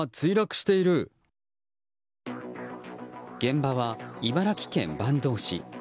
現場は茨城県坂東市。